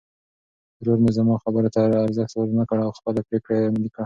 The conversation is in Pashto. ورور مې زما خبرو ته ارزښت ورنه کړ او خپله پرېکړه یې عملي کړه.